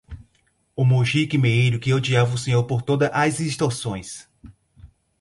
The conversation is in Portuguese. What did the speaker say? o mujique meeiro que odiava o senhor por todas as extorsões